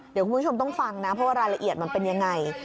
เดี๋ยวคุณผู้ชมต้องฟังนะเพราะว่ารายละเอียดมันเป็นยังไง